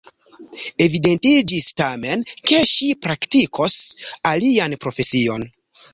Evidentiĝis, tamen, ke ŝi praktikos alian profesion.